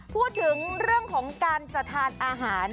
พูดถึงเรื่องของการจะทานอาหาร